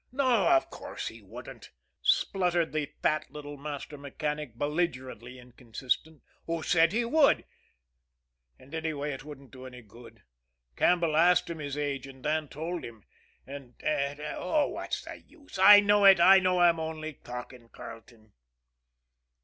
"No, of course he wouldn't!" spluttered the fat little master mechanic, belligerently inconsistent. "Who said he would? And, anyway, it wouldn't do any good. Campbell asked him his age, and Dan told him. And and oh, what's the use! I know it, I know I'm only talking, Carleton."